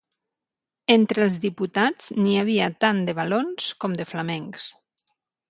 Entre els diputats, n’hi havia tant de valons com de flamencs.